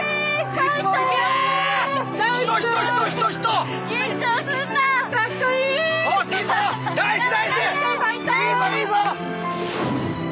いいぞいいぞ！